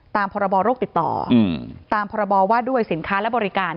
พรบโรคติดต่อตามพรบว่าด้วยสินค้าและบริการ